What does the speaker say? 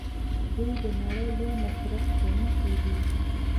دوی د نړۍ لوی مصرف کوونکي دي.